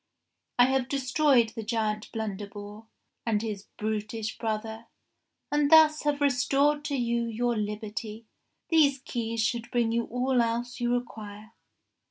I have destroyed the giant Blunderbore and his brutish brother, and thus have restored to you your liberty. These keys should bring you all else you require."